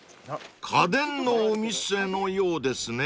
［家電のお店のようですね］